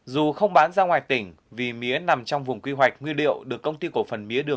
dù không bán ra ngoài tỉnh vì mía nằm trong vùng quy hoạch nguyên liệu